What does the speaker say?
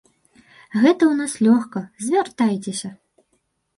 Гэта ў нас лёгка, звяртайцеся.